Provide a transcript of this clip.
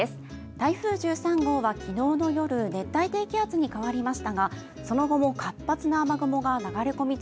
台風１３号は昨日の夜熱帯低気圧に変わりましたがその後も活発な雨雲が流れ続き